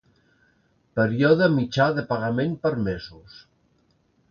Període mitjà de pagament per mesos.